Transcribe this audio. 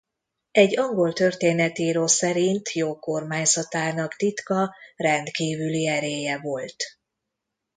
Egy angol történetíró szerint jó kormányzatának titka rendkívüli erélye volt.